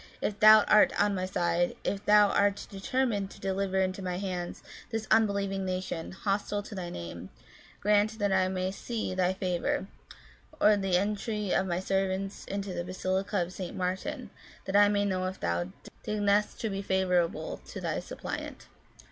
if Thou art on my side, if Thou art determined to deliver into my hands this unbelieving nation, hostile to Thy name, grant that I may see Thy favour, or the entry of my servants into the basilica of St Martin, that I may know if Thou deignest to be favourable to Thy suppliant."